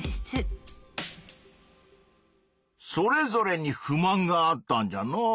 それぞれに不満があったんじゃのう。